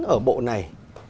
ở bộ này